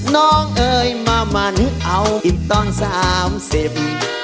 น้องเอ๋ยมามันเอาอิตตอนสามสิบ